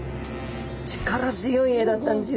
力強い絵だったんです